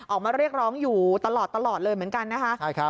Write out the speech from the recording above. ออกมาเรียกร้องอยู่ตลอดเลยเหมือนกันนะคะ